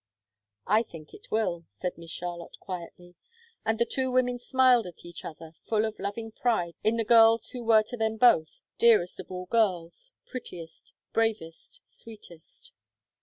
"I think it will," said Miss Charlotte, quietly, and the two women smiled at each other, full of loving pride in the girls who were to them both dearest of all girls, prettiest, bravest, sweetest.